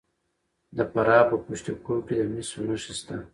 د فراه په پشت کوه کې د مسو نښې شته.